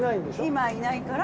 今はいないから。